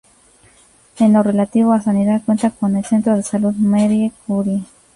En lo relativo a sanidad, cuenta con el centro de salud Marie Curie.